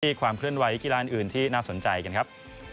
ความเคลื่อนไหกีฬาอื่นที่น่าสนใจกันครับ